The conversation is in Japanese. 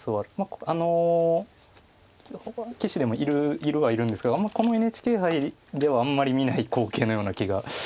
あのほかの棋士でもいるはいるんですがこのＮＨＫ杯ではあんまり見ない光景のような気がします。